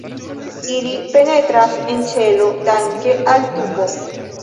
Ili penetras en ĉelo danke al tubo.